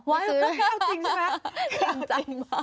มีคำจำมา